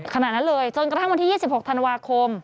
ขณะนั้นเลยจนกระทั่งวันที่๒๖ธันวาคม